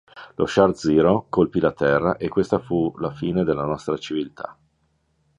Lo Shard Zero colpì la Terra e questa fu la fine della nostra civiltà.